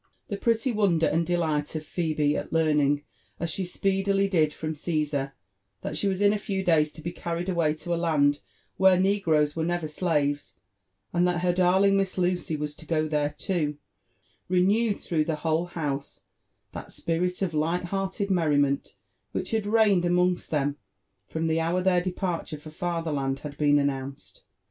The pretty wonder and delight of Phebe at learning, as she speedily did from Cassar, that she was in a few days to be carried away to a land where negroes were never slaves, and that her darling Miss Lucy was to go there too, renewed through the whole house that spirit ot light hearted merriment which had reigned amongst them from the hour their departure for Fatherland had been announced.